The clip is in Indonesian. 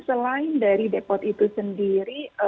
selain dari depot itu sendiri